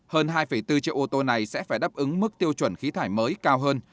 hơn hai bốn triệu ô tô này sẽ phải đáp ứng mức tiêu chuẩn khí thải mới cao hơn